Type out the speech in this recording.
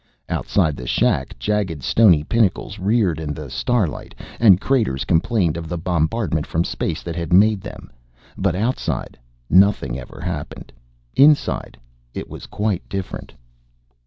Outside the shack, jagged stony pinnacles reared in the starlight, and craters complained of the bombardment from space that had made them. But, outside, nothing ever happened. Inside, it was quite different.